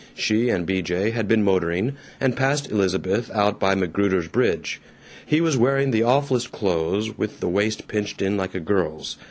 She and B. J. had been motoring, and passed "Elizabeth" out by McGruder's Bridge. He was wearing the awfullest clothes, with the waist pinched in like a girl's.